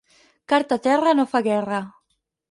Carta a terra no fa guerra.